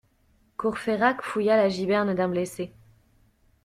Courfeyrac fouilla la giberne d'un blessé.